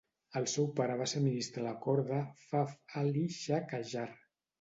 El seu pare va ser ministre a la cort de Fath-Ali Shah Qajar.